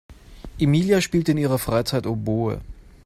Emilia spielt in ihrer Freizeit Oboe.